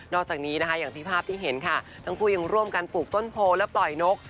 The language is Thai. อกจากนี้นะคะอย่างที่ภาพที่เห็นค่ะทั้งคู่ยังร่วมกันปลูกต้นโพและปล่อยนก